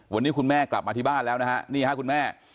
วันนี้คุณแม่กลับมาที่บ้านแล้วนะฮะนี่ฮะคุณแม่